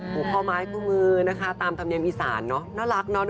ปลูกเผ้าไม้คู่มือนะคะตามธรรมเนมอีสานน่ารักนะ